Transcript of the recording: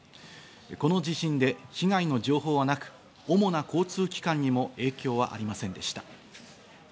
この地震で被害の情報はなく、主な交通機関にも影響はありませんでした。